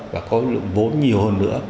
và có lượng vốn nhiều hơn nữa